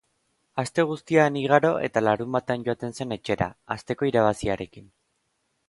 Aste guztia han igaro eta larunbatean joaten zen etxera, asteko irabaziarekin.